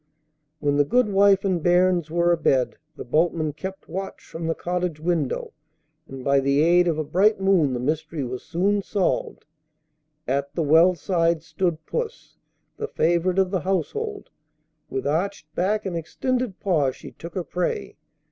When the guidwife and bairns were abed, the boatman kept watch from the cottage window, and by the aid of a bright moon the mystery was soon solved. At the well side stood puss, the favourite of the household; with arched back and extended paw she took her prey.